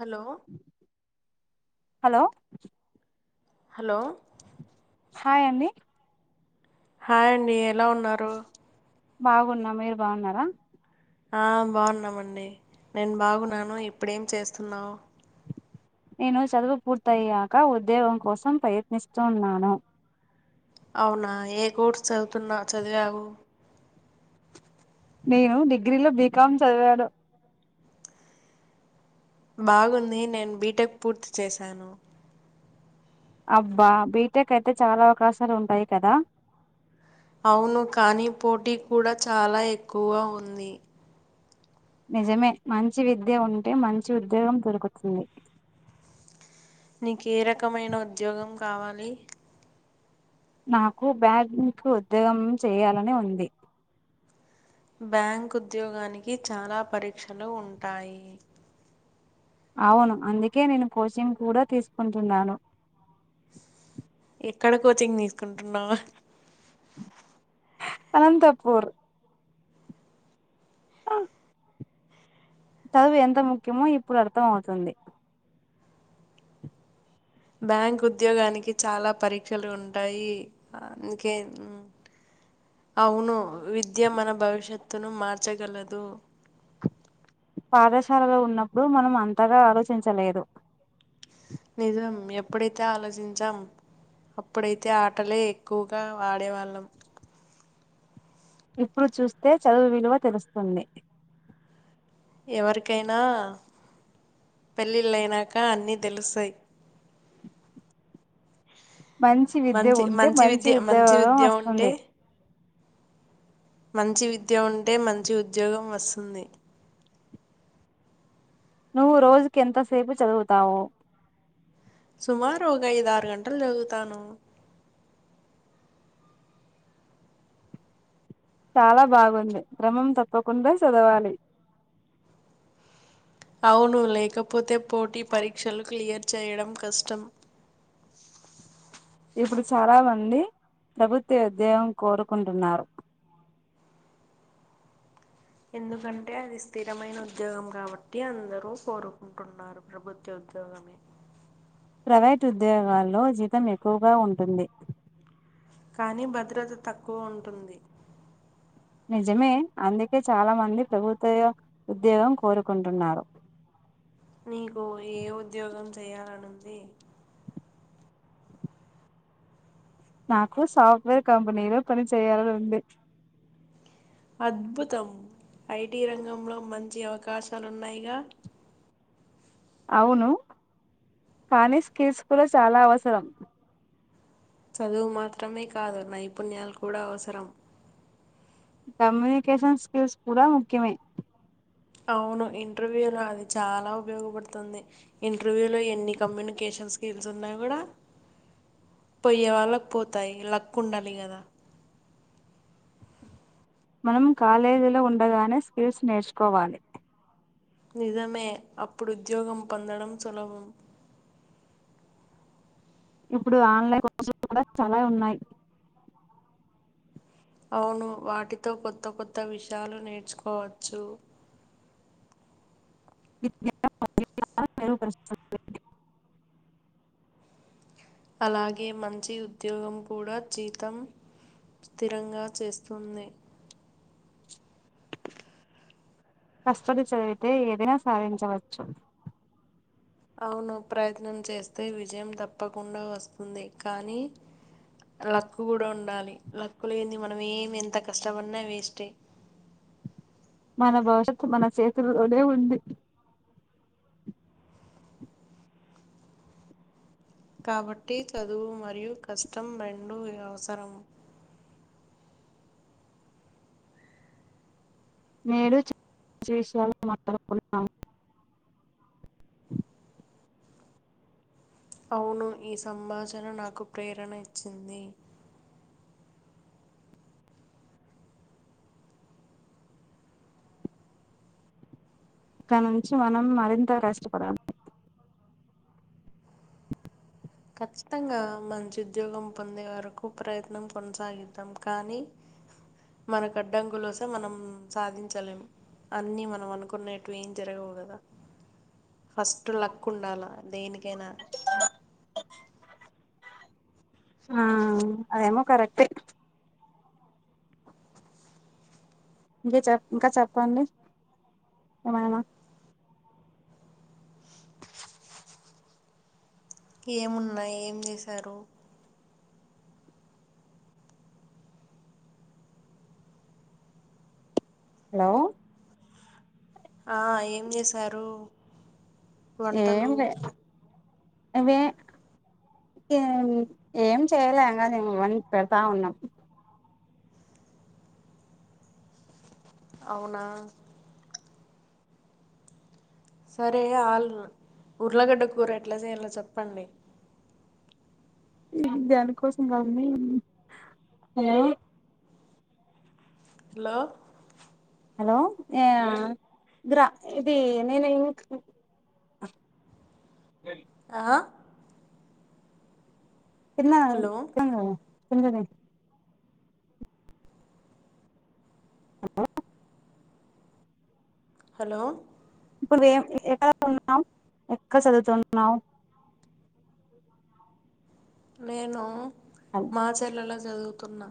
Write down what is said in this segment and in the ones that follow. Hello hello hello hi అండి hi అండి ఎలా ఉన్నారు? బాగున్న. మీరు బాగున్నారా? ఆ బాగున్నామండి. నేను బాగున్నాను. ఇప్పుడేం చేస్తున్నావు? నేను చదువు పూర్తయ్యాక ఉద్యోగం కోసం ప్రయత్నిస్తు ఉన్నాను. అవునా ఏ కోర్స్ చదువుతున్నా చదివావు? నేను డిగ్రీలో బీకామ్ చదివాను. బాగుంది. నేను బీటెక్ పూర్తి చేశాను. అబ్బా బీటెక్ అయితే, చాలా అవకాశాలు ఉంటాయి కదా! అవును. కానీ, పోటీ కూడ చాలా ఎక్కువగా ఉంది. నిజమే మంచి విద్య ఉంటే, మంచి ఉద్యోగం దొరుకుతుంది. నీకు ఏ రకమైన ఉద్యోగం కావాలి? నాకు బ్యాంక్ ఉద్యోగం చేయాలని ఉంది. బ్యాంక్ ఉద్యోగానికి చాలా పరీక్షలు ఉంటాయి. అవును. అందుకే, నేను కోచింగ్ కూడ తీసుకుంటున్నాను. ఎక్కడ కోచింగ్ తీసుకుంటున్నావ్? అనంతపూర్. ఆ చదువు ఎంత ముఖ్యమో ఇప్పుడు అర్థమవుతుంది. బ్యాంక్ ఉద్యోగానికి చాలా పరీక్షలు ఉంటాయి. అందుకే, మ్ అవును విద్య మన భవిష్యత్తును మార్చగలదు. పాఠశాలలో ఉన్నప్పుడు మనం అంతగా ఆలోచించలేదు. నిజం. ఎప్పుడైతే ఆలోచించాం అప్పుడైతే ఆటలే ఎక్కువగా ఆడేవాళ్ళం. ఇప్పుడు చూస్తే చదువు విలువ తెలుస్తుంది. ఎవరికైనా పెళ్ళిళ్ళైనాక అన్నీ తెలుస్తాయి. మంచి విద్య ఉంటే, మంచి ఉద్యోగం వస్తుంది. మంచి విద్య ఉంటే, మంచి ఉద్యోగం వస్తుంది. నువ్వు రోజుకి ఎంతసేపు చదువుతావు? సుమారు ఒక ఐదు ఆరు గంటలు చదువుతాను. చాలా బాగుంది. క్రమం తప్పకుండా చదవాలి. అవును లేకపోతే పోటీ పరీక్షలు క్లియర్ చేయడం కష్టం ఇప్పుడు చాలా మంది ప్రభుత్వ ఉద్యోగం కోరుకుంటున్నారు ఎందుకంటే, అది స్థిరమైన ఉద్యోగం కాబట్టి అందరూ కోరుకుంటున్నారు. ప్రభుత్వ ఉద్యోగమే ప్రైవేటు ఉద్యోగాల్లో జీతం ఎక్కువగా ఉంటుంది. కానీ భద్రత తక్కువ ఉంటుంది. నిజమే. అందుకే, చాలా మంది ప్రభుత్వ ఉద్యోగం కోరుకుంటున్నారు. నీకు ఏ ఉద్యోగం చెయాలనుంది? నాకు సాఫ్ట్వేర్ కంపెనీలో పని చేయాలని ఉంది. అద్భుతం. ఐటి రంగంలో మంచి అవకాశాలున్నాయిగా. అవును. కానీ, స్కిల్స్ కూడ చాలా అవసరం. చదువు మాత్రమే కాదు. నైపుణ్యాలు కూడ అవసరం. కమ్యూనికేషన్ స్కిల్స్ కూడ ముఖ్యమే. అవును ఇంటర్వ్యూ లో అది చాలా ఉపయోగపడుతుంది. ఇంటర్వ్యూ లో ఎన్ని కమ్యూనికేష స్కిల్స్ ఉన్నా కూడా, పోయ్యే వాళ్ళకు పోతాయి. లక్ ఉండాలి కదా! మనం కాలేజీలో ఉండగానే, స్కిల్స్ నేర్చుకోవాలి. నిజమే. అప్పుడు ఉద్యోగం పొందడం సులభం. ఇప్పుడు ఆన్లైన్ కోర్సులు కూడా చాలా ఉన్నాయి అవును వాటితో కొత్త కొత్త విషయాలు నేర్చుకోవచ్చు [inaudible] అలాగే మంచి ఉద్యోగం కూడా జీతం స్థిరంగా చేస్తుంది కష్టపడి చదివితే ఏదైనా సాధించవచ్చు అవును ప్రయత్నం చేస్తే విజయం తప్పకుండా వస్తుంది కానీ లక్కు కూడా ఉండాలి లక్ లేని మనం ఏమి ఎంత కష్టపడినా వేస్టే మన భవిష్యత్ మన చేతుల్లోనే ఉంది కాబట్టి చదువు మరియు కష్టం రెండు ఇగ అవసరం నేడు [unintelligible] విషయాలను మాట్లాడుకున్నాం అవును ఈ సంభాషణ నాకు ప్రేరణ ఇచ్చింది ఇక నుంచి మనం మరింత కష్టపడాలి ఖచ్చితంగా మంచి ఉద్యోగం పొందే వరకు ప్రయత్నం కొనసాగిద్దాం కానీ మనకు అడ్డంకులు వస్తె మనం సాధించలేం అన్ని మనం అనుకున్నేటివి ఏం జరగవు కదా ఫస్ట్ లక్ ఉండాలా దేనికైనా ఊ కరెక్టే ఇంకా చెప్ ఇంకా చెప్పండి ఏమైనా ఏమున్నాయి ఏం చేశారు హలో ఆ ఏం చేసారు వంటలు లే అవే ఏం ఏం చేయలే ఇంకా మేము ఇవన్నీ పెడతా ఉన్నాం అవునా సరే అల్లన్ ఉర్లగడ్డ కూర ఎట్లా చేయాలో చెప్పండి హ్మ్ హు దానికోసం మమ్మి [unintelligible] హలో హలో ఇగ గ్రా ఇది నేను ఇంక్ ఏ ఆ తిన్నార్ హలో [unintelligible] హలో ఇప్పుడు ఏం ఎక్కడ ఉన్నావు ఎక్కడ చదువుతున్నావు నేను అని మా చెల్లలో చదువుతున్నా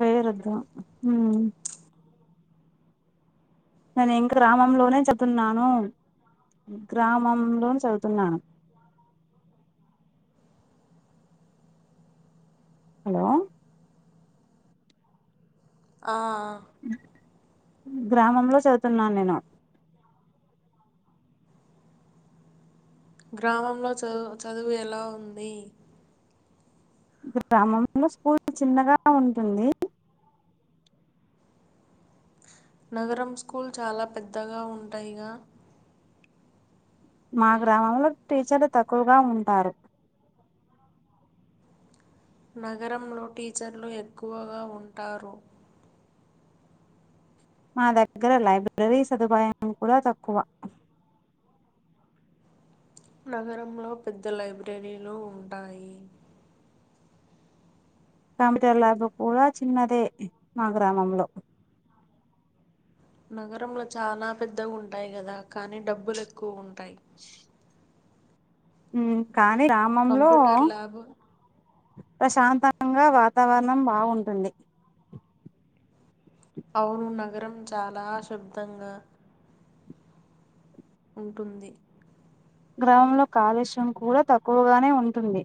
వేరొద్ద మ్మ్ నేను ఇంక గ్రామంలోనే చెప్తున్నాను గ్రామం లోను చదువుతున్నాను హలో ఆ ఆ గ్రామంలో చదువుతున్నాను నేను గ్రామంలో చదు చదువు ఎలా ఉంది గ్రామంలో స్కూల్ చిన్నగా ఉంటుంది నగరం స్కూల్ చాలా పెద్దగా ఉంటాయిగా మా గ్రామంలో టీచర్లు తక్కువగా ఉంటారు నగరంలో టీచర్లు ఎక్కువగా ఉంటారు మా దగ్గర లైబ్రరీ సదుపాయం కూడా తక్కువ నగరంలో పెద్ద లైబ్రరీలు ఉంటాయి కంప్యూటర్ ల్యాబ్ కూడా చిన్నదే మా గ్రామంలో నగరంలో చాలా పెద్ద ఉంటాయి కదా కానీ డబ్బులు ఎక్కువ ఉంటాయి కానీ గ్రామంలో కంప్యూటర్ ల్యాబ్ ప్రశాంతంగా వాతావరణం బావుంటుంది అవును నగరం చాలా షాబ్ధంగా ఉంటుంది గ్రామంలో కాలుష్యం కూడా తక్కువగానే ఉంటుంది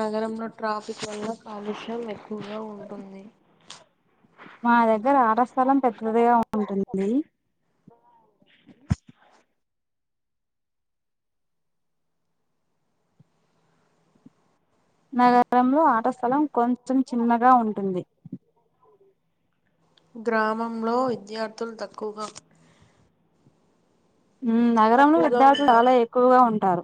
నగరంలో ట్రాఫిక్ వల్ల కాలుష్యం ఎక్కువగా ఉంటుంది మా దగ్గర ఆటస్థలం పెద్దదిగా ఉంటుంది నగరంలో ఆటస్థలం కొంచెం చిన్నగా ఉంటుంది గ్రామంలో విద్యార్థులు తక్కువగా నగరంలో తక్కువగా విద్యార్థులు ఉంటారు. చాలా ఎక్కువగా ఉంటారు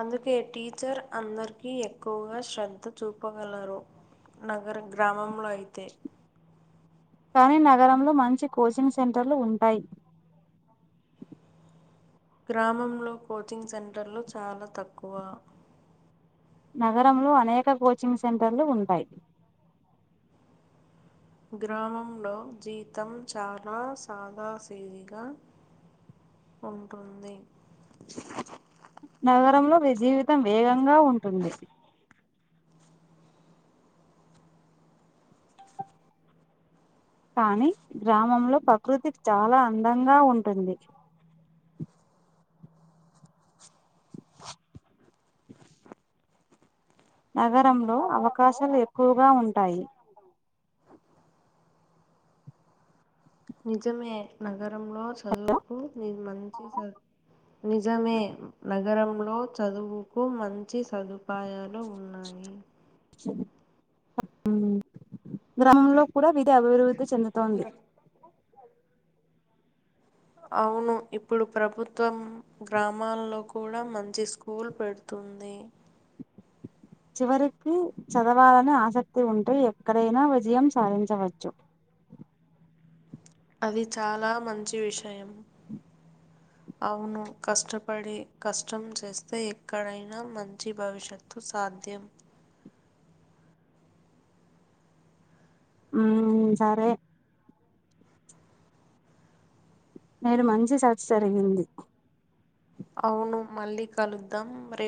అందుకే టీచర్ అందరికీ ఎక్కువగా శ్రద్ధ చూపగలరు నగర గ్రామంలో అయితే కానీ నగరంలో మంచి కోచింగ్ సెంటర్లు ఉంటాయి గ్రామంలో కోచింగ్ సెంటర్లు చాలా తక్కువ నగరంలో అనేక కోచింగ్ సెంటర్లు ఉంటాయి గ్రామంలో జీతం చాలా సాదాసేదిగా ఉంటుంది నగరంలో జీవితం వేగంగా ఉంటుంది కానీ గ్రామంలో ప్రకృతి చాలా అందంగా ఉంటుంది నగరంలో అవకాశాలు ఎక్కువగా ఉంటాయి నిజమే నగరంలో చదువుకు ని మ నిజమే నగరంలో చదువుకు మంచి చదువు అపాయాలు ఉన్నాయి గ్రామంలో కూడా విధి అభివృద్ధి చెందుతోంది అవును ఇప్పుడు ప్రభుత్వం గ్రామాల్లో కూడా మంచి స్కూల్ పెడుతు ఉంది చివరికి చదవాలని ఆసక్తి ఉంటే ఎక్కడైనా విజయం సాధించవచ్చు అ అది చాలా మంచి విషయం అవును కష్టపడి కష్టం చేస్తే ఎక్కడైనా మంచి భవిష్యత్తు సాధ్యం అ సరే మీేరు మంచి సర్చ్ జరిగింది అవును మళ్ళీ కలుద్దాంటి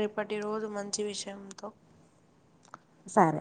రేపటి రోజు మంచి విషయంతో సరే